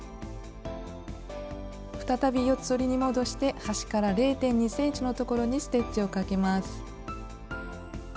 再び四つ折りに戻して端から０．２ｃｍのところにステッチをかけます。